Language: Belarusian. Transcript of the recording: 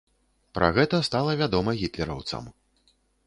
Пра гэта стала вядома гітлераўцам.